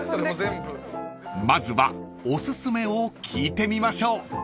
［まずはおすすめを聞いてみましょう］